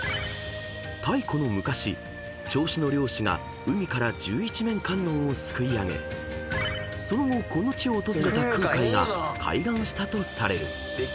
［太古の昔銚子の漁師が海から十一面観音をすくい上げその後この地を訪れた空海が開眼したとされる］